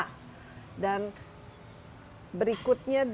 dan berikutnya bagaimana mengungkapkannya